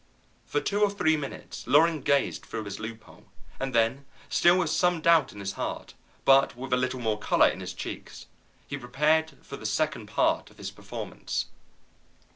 For two or three minutes Loring gazed through his loophole, and then, still with some doubt in his heart, but with a little more color in his checks, he prepared for the second part of his performance.